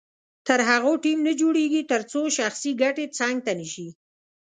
تر هغو ټیم نه جوړیږي تر څو شخصي ګټې څنګ ته نه شي.